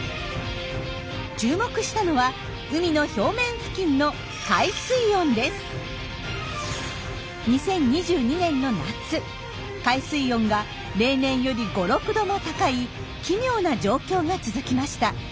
注目したのは海の表面付近の２０２２年の夏海水温が例年より５６度も高い奇妙な状況が続きました。